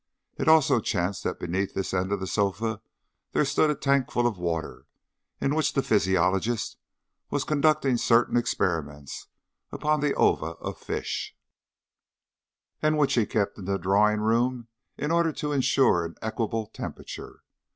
It also chanced that beneath this end of the sofa there stood a tank full of water in which the physiologist was conducting certain experiments upon the ova of fish, and which he kept in his drawing room in order to insure an equable temperature.